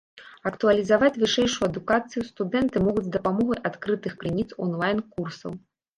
Актуалізаваць вышэйшую адукацыю студэнты могуць з дапамогай адкрытых крыніц, онлайн-курсаў.